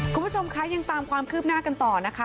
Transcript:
คุณผู้ชมคะยังตามความคืบหน้ากันต่อนะคะ